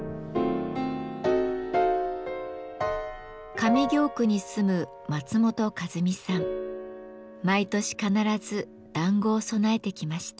上京区に住む毎年必ず団子を供えてきました。